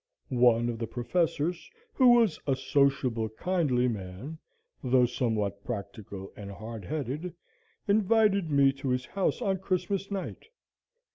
One of the professors, who was a sociable, kindly man, though somewhat practical and hard headed, invited me to his house on Christmas night.